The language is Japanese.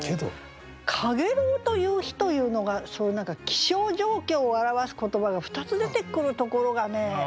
「陽炎」と「夕日」というのが気象状況を表す言葉が２つ出てくるところがね。